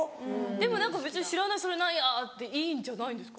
でも何か別に「知らないそれ何や？」でいいんじゃないんですか？